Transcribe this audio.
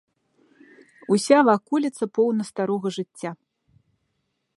Уся ваколіца поўна старога жыцця.